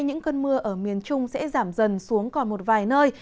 những cơn mưa ở miền trung sẽ giảm dần xuống còn một vài nơi